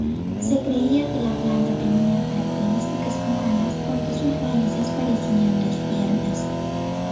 Se creía que la planta tenía características humanas porque sus raíces parecían dos piernas.